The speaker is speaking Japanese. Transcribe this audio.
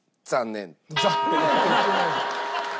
残念って言ってないじゃん。